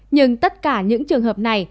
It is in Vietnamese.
nhưng tất cả những trường hợp này